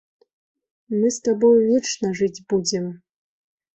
Мы з табою вечна жыць будзем.